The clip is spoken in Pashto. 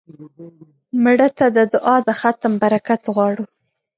مړه ته د دعا د ختم برکت غواړو